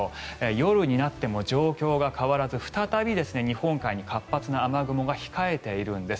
夜になっても状況が変わらず再び日本海に活発な雨雲が控えているんです。